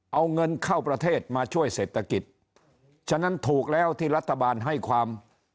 เอาเงินเข้าประเทศมาช่วยเศรษฐกิจฉะนั้นถูกแล้วที่รัฐบาลให้ความ